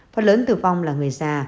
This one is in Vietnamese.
phần lớn tử vong là người già